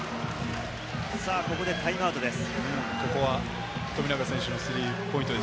ここでタイムアウトです。